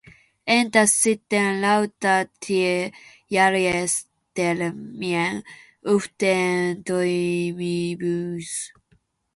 Entäs sitten rautatiejärjestelmien yhteentoimivuus?